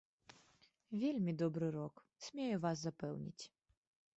Вельмі добры рок, смею вас запэўніць.